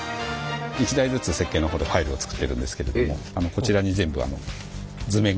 一台ずつ設計のほうでファイルを作っているんですけれどもこちらに図面？